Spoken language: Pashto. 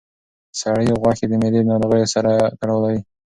سرې غوښه د معدې د ناروغیو سره تړاو لري.